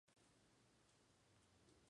Su gobernador es Said Abu Alí.